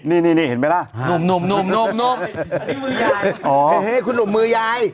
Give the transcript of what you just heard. นี่นี่นี่เห็นไหมล่ะหนุ่มหนุ่มหนุ่มหนุ่มนี่มือยายอ๋อเฮ้คุณหนุ่มมือยาย